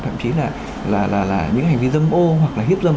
thậm chí là những hành vi dâm ô hoặc là hiếp dâm